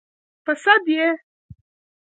_ په سد يې؟